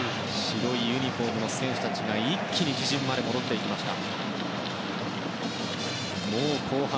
白いユニホームの選手たちが一気に自陣まで戻りました。